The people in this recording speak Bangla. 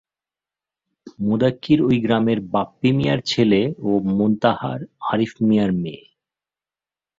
মোদাক্কির ওই গ্রামের বাপ্পী মিয়ার ছেলে ও মোন্তাহার আরিফ মিয়ার মেয়ে।